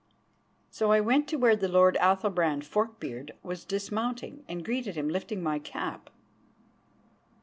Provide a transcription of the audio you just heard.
So I went to where the lord Athalbrand Fork beard was dismounting, and greeted him, lifting my cap.